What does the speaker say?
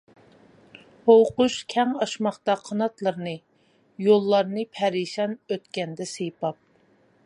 ھۇۋقۇش كەڭ ئاچماقتا قاناتلىرىنى، يوللارنى پەرىشان ئۆتكەندە سىيپاپ.